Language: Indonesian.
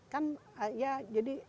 kan ya jadi